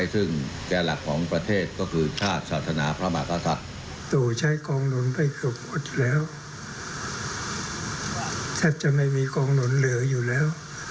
แทบจะไม่มีกองหนุนเหลืออยู่แล้ว